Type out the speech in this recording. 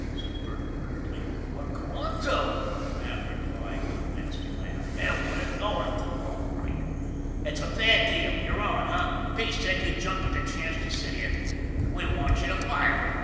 said Burton curtly. " We're goin j to," the man replied, with a nasty laugh. " We're goin' to, all right. It's a fair deal. You're on, eh? Pete said you'd jump at the chance to sit in. We want you to fire him."